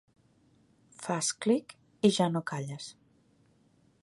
Fas clic i ja no calles.